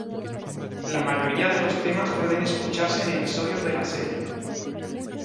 La mayoría de los temas pueden escucharse en episodios de la serie.